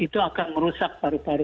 itu akan merusak paru paru